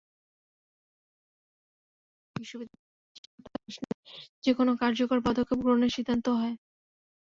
সভায় সর্বসম্মতিক্রমে বিশ্ববিদ্যালয়ের স্থিতিশীলতার প্রশ্নে যেকোনো কার্যকর পদক্ষেপ গ্রহণের সিদ্ধান্তও হয়।